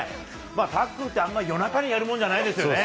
タックルってあんまり夜中にやるもんじゃないですよね。